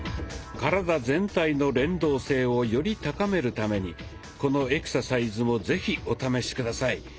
体全体の連動性をより高めるためにこのエクササイズも是非お試し下さい。